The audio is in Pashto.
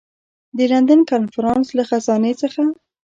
د لندن کنفرانس له خزانې څخه.